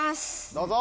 どうぞ！